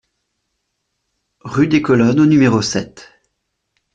Rue des Colonnes au numéro sept